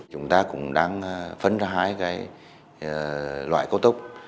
chúng ta cũng đang phân ra hai loại cao tốc